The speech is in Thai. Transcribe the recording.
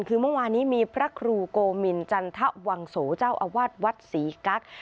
คือเมื่อวานี้มีพระครูโกมินจันทวังโสเจ้าอาวาสวัดศรีกั๊ก